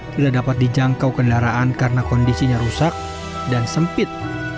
tidak dapat dijangkau kendaraan karena kondisinya rusak dan sempit